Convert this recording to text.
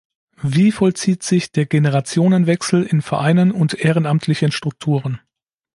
Wie vollzieht sich der Generationenwechsel in Vereinen und ehrenamtlichen Strukturen?